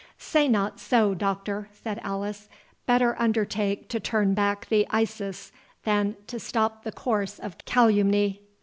"Say not so, Doctor," said Alice; "better undertake to turn back the Isis than to stop the course of calumny.